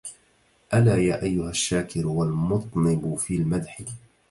ألا يا أيها الشاكـر والمطنب في المدح